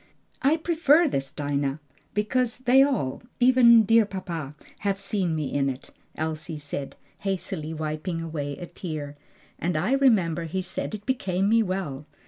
"I prefer this, Dinah, because they all even dear, dear papa have seen me in it," Elsie said, hastily wiping away a tear; "and I remember he said it became me well.